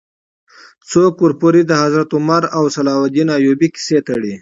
څوک ورپورې د حضرت عمر او صلاح الدین ایوبي کیسه تړي.